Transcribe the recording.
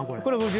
これ。